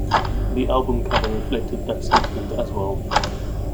The album cover reflected that sentiment as well.